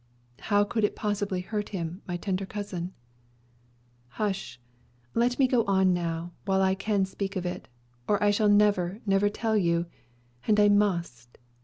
"How could it possibly hurt him, my tender hearted cousin?" "Hush! Let me go on now, while I can speak of it; or I shall never, never tell you. And I must.